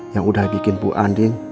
yang udah bikin bu andin